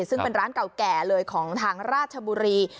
ซึ่งเป็นร้านเก่าแก่เลยของทางราชบุรี